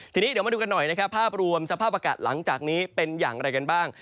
ทีนี้เดี๋ยวมาดูกันหน่อยนะครับภาพรวมสภาพอากาศหลังจากนี้เป็นอย่างไรกันบ้าง